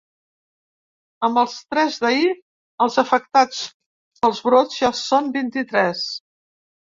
Amb els tres d’ahir, els afectats pels brots ja són vint-i-tres.